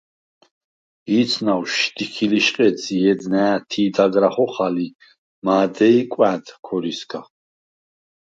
ი̄ცნავშ შდიქი ლიშყედს ჲედ ნა̄̈თი̄ დაგრა ხოხალ ი მა̄დეი̄ − კვა̈დ ქორისგა.